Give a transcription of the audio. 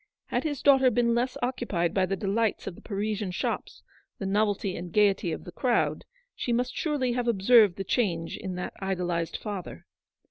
Had his daughter been less occupied by the delights of the Parisian shops, the novelty and gaiety of the crowd, she must surely have observed the change in that idolised father.